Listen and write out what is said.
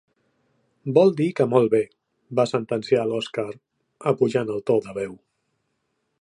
Vol dir que molt bé —va sentenciar l'Oskar, apujant el to de veu—.